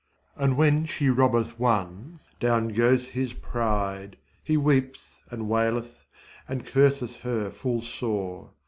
And when she robbeth one, down go'th his pride, He weep'th and wail'th and curseth her full sore.